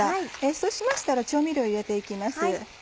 そうしましたら調味料を入れて行きます。